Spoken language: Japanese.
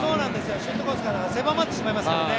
シュートコースが狭まってしまいますからね。